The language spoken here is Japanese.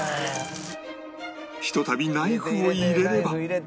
ひとたびナイフを入れれば